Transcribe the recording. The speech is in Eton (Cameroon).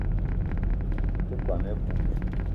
Me te kwuan a-bum